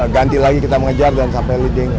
ganti lagi kita mengejar dan sampai leading